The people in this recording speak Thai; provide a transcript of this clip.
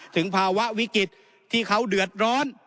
ถึงภาวะวิกฤตที่เขาเดือดร้อน